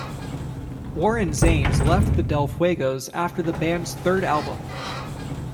Warren Zanes left the Del Fuegos after the band's third album.